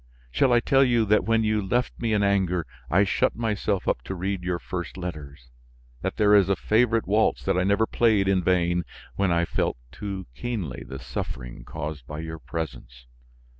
Shall I tell you that when you left me in anger I shut myself up to read your first letters; that there is a favorite waltz that I never played in vain when I felt too keenly the suffering caused by your presence?